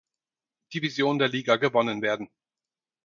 Division der Liga gewonnen werden.